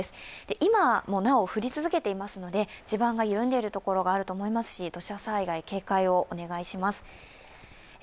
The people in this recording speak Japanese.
今もなお降り続けていますので、地盤が緩んでいる所もあり土砂災害、警戒をお願いします。